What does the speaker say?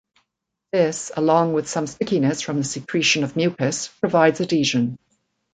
This, along with some stickiness from the secretion of mucus, provides adhesion.